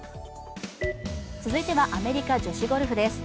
続いてはアメリカ女子ゴルフです。